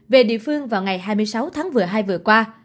về địa phương vào ngày hai mươi sáu tháng hai vừa qua